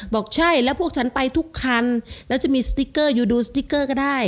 บอกใช่แล้วพวกฉันไปทุกคันแล้วจะมีสติ๊กเกอร์ยูดูสติ๊กเกอร์ก็ได้